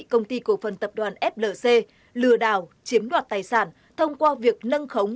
công ty cổ phần tập đoàn flc lừa đảo chiếm đoạt tài sản thông qua việc nâng khống